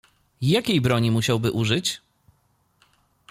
"Jakiej broni musiałby użyć?"